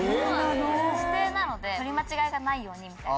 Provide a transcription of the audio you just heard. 指定なので取り間違いがないようにみたいな。